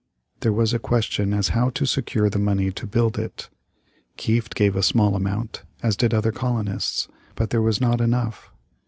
There was a question as how to secure the money to build it. Kieft gave a small amount, as did other colonists, but there was not enough.